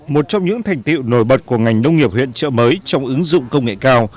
một trong những thành tiệu nổi bật của ngành nông nghiệp huyện trợ mới trong ứng dụng công nghệ cao